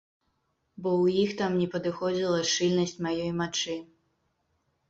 Бо ў іх там не падыходзіла шчыльнасць маёй мачы.